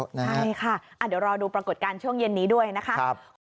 ใช่ค่ะเดี๋ยวรอดูปรากฏการณ์ช่วงเย็นนี้ด้วยนะคะ